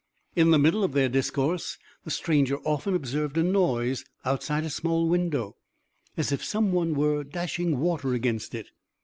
In the middle of their discourse, the stranger often observed a noise outside a small window, as if someone were dashing water against it.